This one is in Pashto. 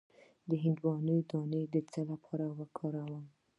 د هندواڼې دانه د څه لپاره وکاروم؟